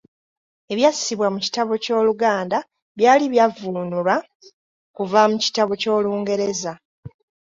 Ebyassibwa mu kitabo ky'Oluganda byali byavvuunulwa kuva mu kitabo ky'Olungereza.